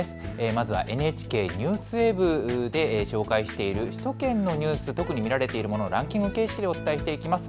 まずはＮＨＫＮＥＷＳＷＥＢで紹介している首都圏のニュース、特に見られているものランキング形式でお伝えしていきます。